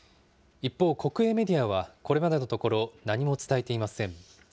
一方、国営メディアはこれまでのところ、何も伝えていません。